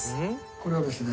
これはですね。